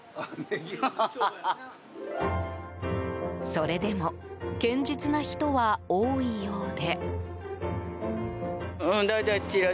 それでも堅実な人は多いようで。